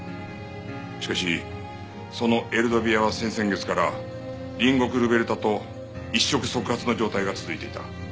しかしそのエルドビアは先々月から隣国ルベルタと一触即発の状態が続いていた。